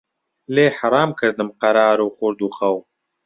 لێی حەرام کردم قەرار و خورد و خەو